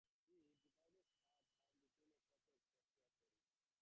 She divides her time between a cottage in the Cotswolds and Paris.